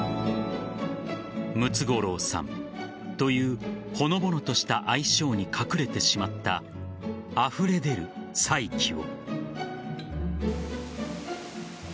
ムツゴロウさんというほのぼのとした愛称に隠れてしまったあふれ出る才気を。